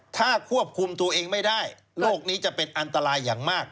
ถ้าควบคุมตัวเองไม่ได้โรคนี้จะเป็นอันตรายอย่างมาก